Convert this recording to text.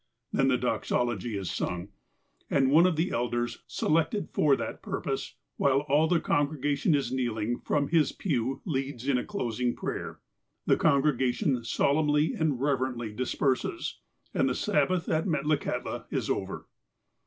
Then the doxology is sung, and one of the elders, selected for that purjDose, while all the congregation is kneeling, from his pew leads in a closing prayer. The congrega tion solemnly and reverently disperses, and the Sabbath at Metlakahtla is over.